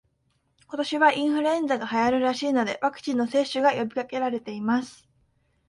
今年はインフルエンザが流行るらしいので、ワクチンの接種が呼びかけられています